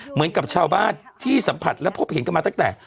เหมือนกับชาวบ้านที่สัมผัสและพบเห็นกันมาตั้งแต่